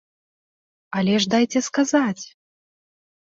Але ж дайце сказаць!